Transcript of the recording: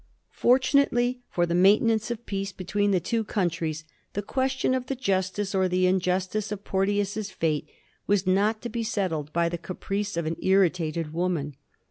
Fortunately for the maintenance of peace between the two countries, the question of the justice or the injustice of Porteous's fate was not to be settled by the caprice of an irritated woman.